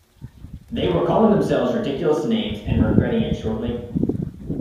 They were calling themselves ridiculous names and regretting it shortly.